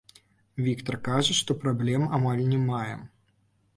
Віктар кажа, што праблем амаль не мае.